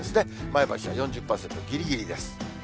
前橋は４０％ぎりぎりです。